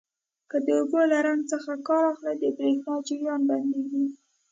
که د اوبو له رنګ څخه کار اخلئ د بریښنا جریان بند کړئ.